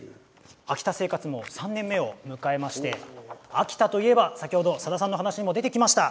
秋田生活も３年目を迎えまして秋田といえば先ほどさださんの話にも出てきました。